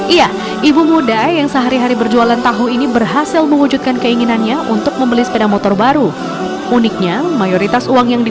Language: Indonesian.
timur timur di ponorogo